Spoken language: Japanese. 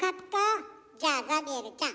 じゃあザビエルちゃん